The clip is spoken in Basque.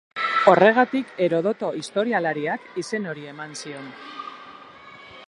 Horregatik, Herodoto historialariak izen hori eman zion.